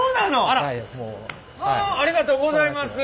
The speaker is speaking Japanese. ありがとうございます。